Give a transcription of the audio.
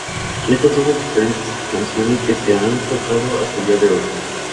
Estas son las diferentes canciones que se han tocado hasta el día de hoy.